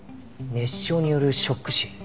熱傷によるショック死。